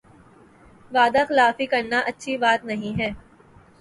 وعدہ خلافی کرنا اچھی بات نہیں ہے